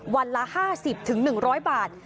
วันละ๕๐๑๐๐บาท